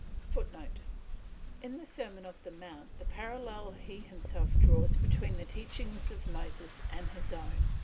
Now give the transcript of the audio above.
[Footnote: Cf. in the Sermon on the Mount the parallel he himself draws between the teaching of Moses and his own.